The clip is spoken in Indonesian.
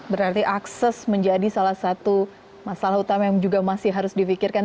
berarti akses menjadi salah satu masalah utama yang juga masih harus difikirkan